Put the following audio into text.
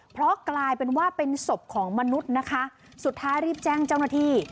เพราะกลายเป็นว่าเป็นศพของมนุษย์นะคะสุดท้ายรีบแจ้งเจ้าหน้าที่